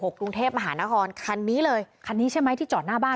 กรุงเทพมหานครคันนี้เลยคันนี้ใช่ไหมที่จอดหน้าบ้าน